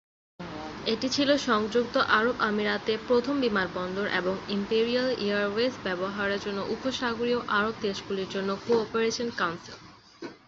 এটি ছিল সংযুক্ত আরব আমিরাতে প্রথম বিমানবন্দর এবং ইম্পেরিয়াল এয়ারওয়েজ ব্যবহারের জন্য উপসাগরীয় আরব দেশগুলির জন্য কোঅপারেশন কাউন্সিল।